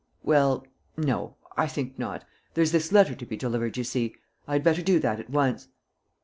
"Well no; I think not. There's this letter to be delivered, you see. I had better do that at once."